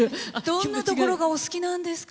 どんなところがお好きなんですか？